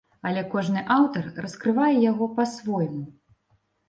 Але кожны аўтар раскрывае яго па-свойму.